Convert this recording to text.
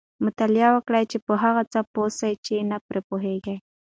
مطالعه وکړئ! چي په هغه څه پوه سئ، چي نه پرې پوهېږئ.